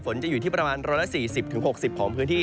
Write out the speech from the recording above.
ฝนจะอยู่ที่ประมาณ๑๔๐๖๐ของพื้นที่